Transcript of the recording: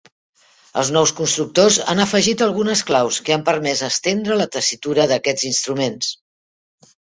Els nous constructors han afegit algunes claus que han permès estendre la tessitura d'aquests instruments.